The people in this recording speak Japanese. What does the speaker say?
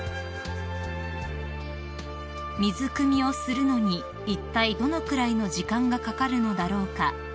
［「水くみをするのにいったいどのくらいの時間がかかるのだろうか」